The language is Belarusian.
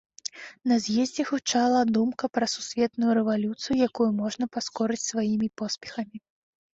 На з'ездзе гучала думка пра сусветную рэвалюцыю, якую можна паскорыць сваімі поспехамі.